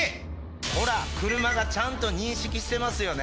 ほら車がちゃんと認識してますよね